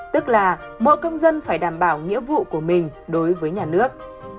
tức là mỗi công dân phải đảm bảo nghĩa vụ của mình đối với nhà nước